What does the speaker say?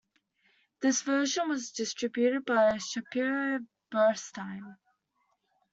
This version was distributed by Shapiro Bernstein.